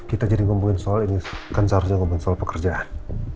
kita jadi ngomongin soal ini kan seharusnya ngomongin soal pekerjaan